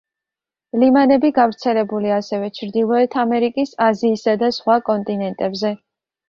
ლიმანები გავრცელებულია ასევე ჩრდილოეთ ამერიკის, აზიისა და სხვა კონტინენტებზე.